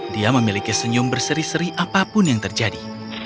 dia memiliki senyum berseri seri apapun yang terjadi